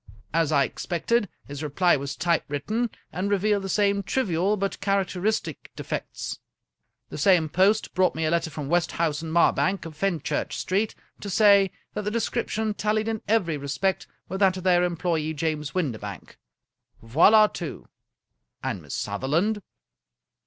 As I expected, his reply was typewritten, and revealed the same trivial but characteristic defects. The same post brought me a letter from West house & Marbank, of Fenchurch Street, to say that the description tallied in every respect with that of their em ployee, James Windibank. Voild, tout! " "And Miss Sutherland?"